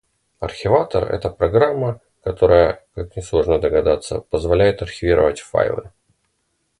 Архиватор — это программа, которая, как несложно догадаться, позволяет архивировать файлы.